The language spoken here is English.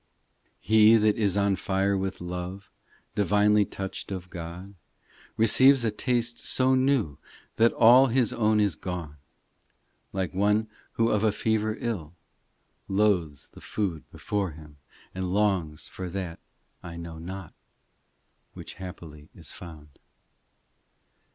272 POEMS in He that is on fire with love Divinely touched of God Receives a taste so new That all his own is gone. Like one who of a fever ill Loathes the food before him, And longs for that I know not, Which happily is found.